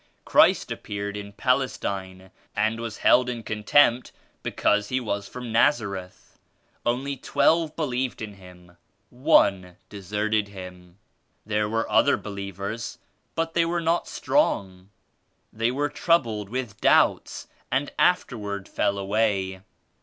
Christ appeared in Pal estine and was held in contempt because He was from Nazareth. Only twelve believed in Him; one deserted Him. There were other believers but they were not strong. They were troubled with doubts and afterward fell away..